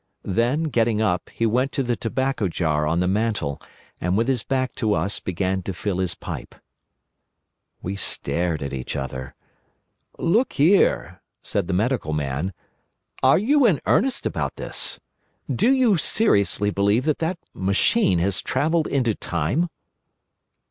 Then, getting up, he went to the tobacco jar on the mantel, and with his back to us began to fill his pipe. We stared at each other. "Look here," said the Medical Man, "are you in earnest about this? Do you seriously believe that that machine has travelled into time?"